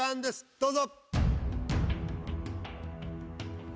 どうぞ。